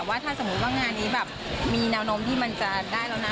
ว่าถ้าสมมุติว่างานนี้แบบมีแนวโน้มที่มันจะได้แล้วนะ